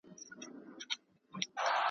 چي اصلي فساد له تا خیژي پر مځکه .